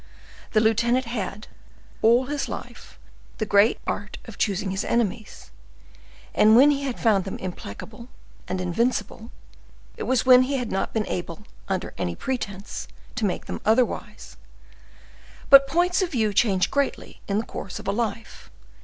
The lieutenant had had, all his life, the great art of choosing his enemies; and when he had found them implacable and invincible, it was when he had not been able, under any pretense, to make them otherwise. But points of view change greatly in the course of a life.